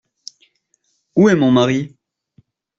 Où est mon mari ?